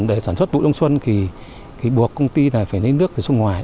thì để sản xuất bụi đông xuân thì buộc công ty phải lấy nước từ sông ngoài